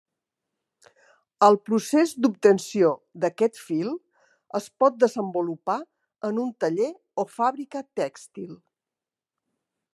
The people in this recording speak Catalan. El procés d'obtenció d'aquest fil es pot desenvolupar en un taller o fàbrica tèxtil.